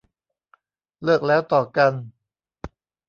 เลิกแล้วต่อกัน